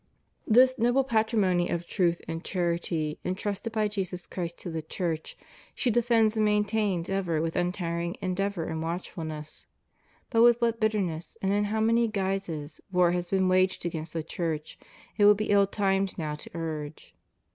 This noble patrimony of truth and charity en trusted by Jesus Christ to the Church, she defends and maintains ever with untiring endeavor and watchfulness. But with what bitterness and in how many guises war has been waged against the Church, it would be ill timed now to urge.